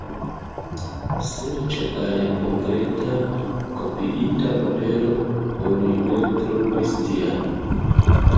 Serĉe al konkreta, kopiita modelo oni ne trovis tian.